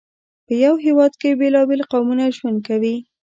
په یو هېواد کې بېلابېل قومونه ژوند کوي.